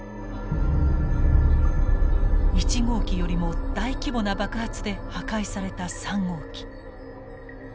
１号機よりも大規模な爆発で破壊された３号機。